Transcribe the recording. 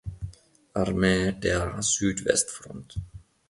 Armee der Südwestfront.